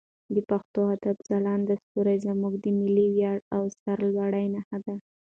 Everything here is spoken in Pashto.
د پښتو ادب ځلانده ستوري زموږ د ملي ویاړ او سرلوړي نښه ده.